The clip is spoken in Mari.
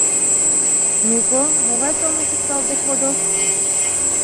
— Ну-ко, могай сомыл шукталтде кодо?